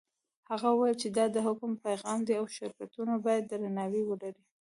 هغه وویل چې دا د حکم پیغام دی او شرکتونه باید درناوی ولري.